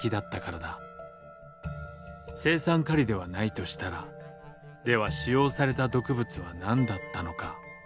青酸カリではないとしたらでは使用された毒物は何だったのか。